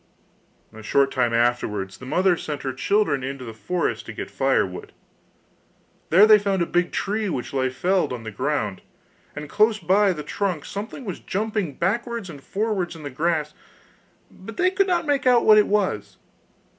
A short time afterwards the mother sent her children into the forest to get firewood. There they found a big tree which lay felled on the ground, and close by the trunk something was jumping backwards and forwards in the grass, but they could not make out what it was.